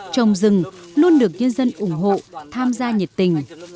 trồng rừng luôn được nhân dân ủng hộ tham gia nhiệt tình